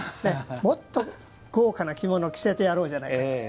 もっと、豪華な着物を着せてやろうじゃないかと。